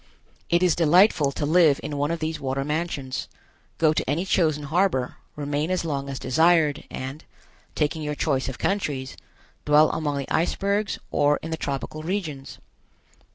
It is delightful to live in one of these water mansions, go to any chosen harbor, remain as long as desired and, taking your choice of countries, dwell among the icebergs or in the tropical regions.